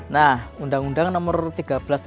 yang menjadi titik tersebut